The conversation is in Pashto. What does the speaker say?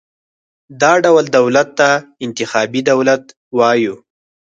دا ډول دولت ته انتخابي دولت وایو.